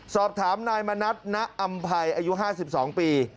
สอบถามนายมณัฐนอำภัยอายุห้าสิบสองปี